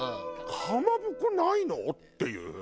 かまぼこないの？っていう。